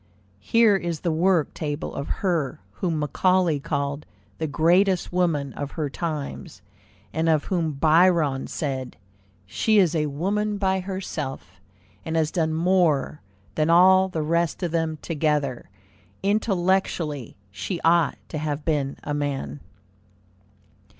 Here is the work table of her whom Macaulay called "the greatest woman of her times," and of whom Byron said, "She is a woman by herself, and has done more than all the rest of them together, intellectually; she ought to have been a man."